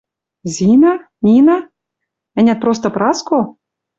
Зина, Нина? Ӓнят, просто Праско?